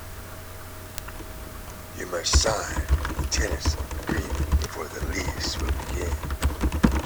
You must sign the tenancy agreement before the lease will begin.